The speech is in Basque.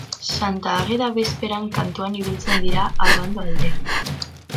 Santa Ageda bezperan kantuan ibiltzen dira Abando aldean.